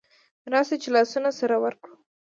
راسئ چي لاسونه سره ورکړو